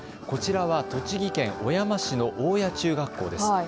こちらは栃木県小山市の大谷中学校です。